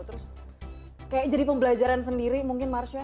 terus kayaknya jadi pembelajaran sendiri mungkin marsha